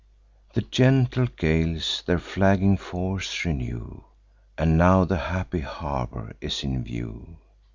The gentle gales their flagging force renew, And now the happy harbour is in view.